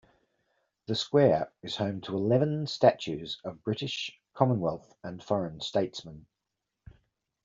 The square is home to eleven statues of British, Commonwealth and foreign statesmen.